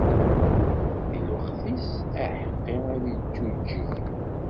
Di lweqt-is, aḥeqqi ad iǧǧuǧǧeg.